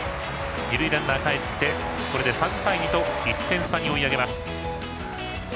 二塁ランナーがかえって３対２と１点差に追い上げます。